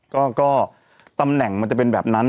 ก็ตำแหน่งมันจะเป็นแบบนั้น